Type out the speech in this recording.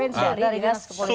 pensiun dari dinas kepolisian